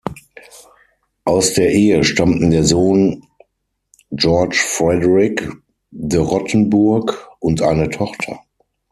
Aus der Ehe stammten der Sohn George Frederick de Rottenburg und eine Tochter.